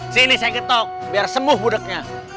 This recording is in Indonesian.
sini saya ketok biar sembuh budaknya